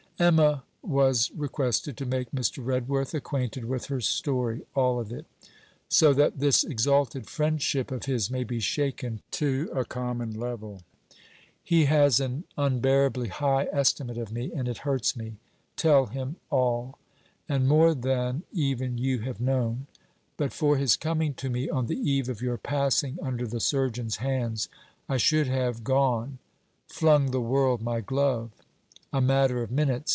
Emma was requested to make Mr. Redworth acquainted with her story, all of it: 'So that this exalted friendship of his may be shaken to a common level. He has an unbearably high estimate of me, and it hurts me. Tell him all; and more than even you have known: but for his coming to me, on the eve of your passing under the surgeon's hands, I should have gone flung the world my glove! A matter of minutes.